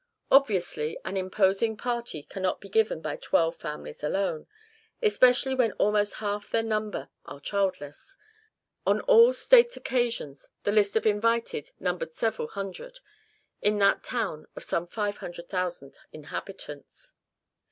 Obviously, an imposing party cannot be given by twelve families alone, especially when almost half their number are childless. On all state occasions the list of invited numbered several hundred, in that town of some five thousand inhabitants.